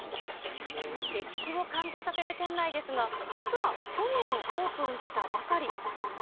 歴史を感じさせる店内ですが、実は去年オープンしたばかり。